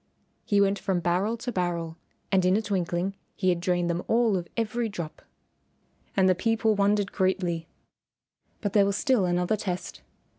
He went from barrel to barrel and in a twinkling he had drained them all of every drop. And the people wondered greatly. But there was still another test.